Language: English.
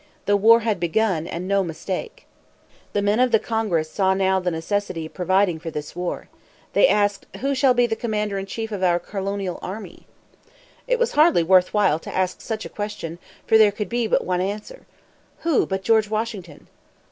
The war had begun, and no mistake. The men of Congress saw now the necessity of providing for this war. They asked, "Who shall be the commander in chief of our colonial army?" It was hardly worth while to ask such a question; for there could be but one answer. Who, but George Washington?